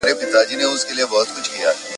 تر وصاله دي ژړیږم.